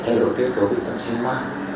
thay đổi kết quả bê tông xi măng